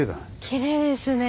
きれいですね。